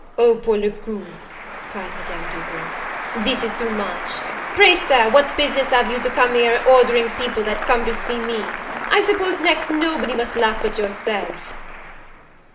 "O pour le coup," cried Madame Duval, "this is too much! Pray, Sir, what business have you to come here a ordering people that comes to see me? I suppose next nobody must laugh but yourself!"